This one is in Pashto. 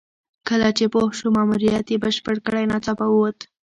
کله چې پوه شو ماموریت یې بشپړ کړی ناڅاپه ووت.